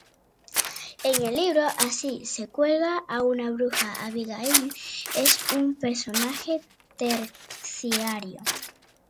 En el libro Así se cuelga a una bruja Abigail es un personaje terciario.